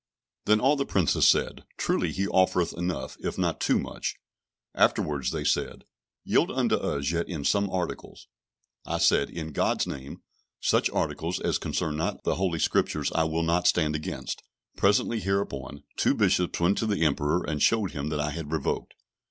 Then all the Princes said, "Truly, he offereth enough, if not too much." Afterwards they said, "Yield unto us yet in some articles." I said, "In God's name, such articles as concern not the Holy Scriptures I will not stand against." Presently hereupon, two Bishops went to the Emperor, and showed him that I had revoked.